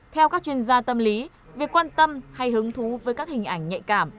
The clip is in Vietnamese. theo các chuyên gia tâm lý việc quan tâm hay hứng thú với các hình ảnh nhạy cảm